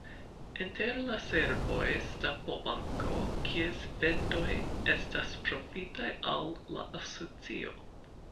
Inter la servoj, stampo-banko, kies vendoj estas profitaj al la asocio.